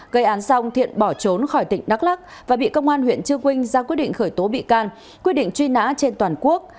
gây án xong thiện bỏ trốn khỏi tỉnh đắk lắc và bị công an huyện chư quynh ra quyết định khởi tố bị can quyết định truy nã trên toàn quốc